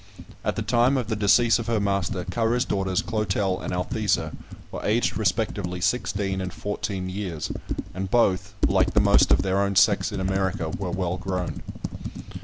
At the time of the decease of her master, Currer's daughters, Clotel and Althesa, were aged respectively sixteen and fourteen years, and both, like most of their own sex in America, were well grown.